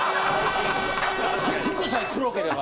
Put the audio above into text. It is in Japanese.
服さえ黒ければ。